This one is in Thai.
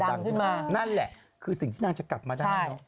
ดั่งขึ้นนั่นแหละคือสิ่งที่นางจะกลับมาได้